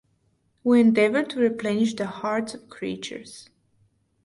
We endeavor to replenish the hearts of creatures.